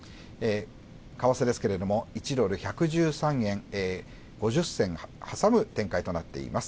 為替ですけれども、１ドル＝１１３円５０銭を挟む展開となっています。